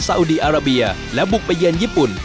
อุดีอาราเบียและบุกไปเยือนญี่ปุ่น